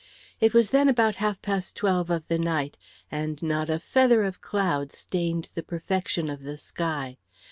It was then about half past twelve of the night, and not a feather of cloud stained the perfection of the sky.